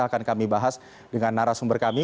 akan kami bahas dengan arah sumber kami